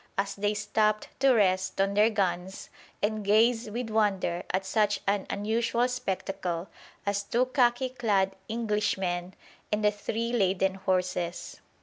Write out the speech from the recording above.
as they stopped to rest on their guns and gaze with wonder at such an unusual spectacle as two khaki clad Englishmen and the three laden horses.